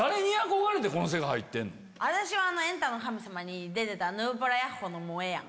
私は『エンタの神様』に出てたヌーブラヤッホ！のモエヤン。